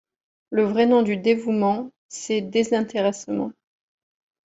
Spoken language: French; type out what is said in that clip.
Le vrai nom du dévouement, c’est désintéressement.